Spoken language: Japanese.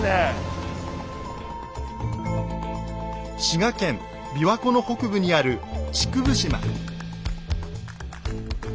滋賀県琵琶湖の北部にある竹生島。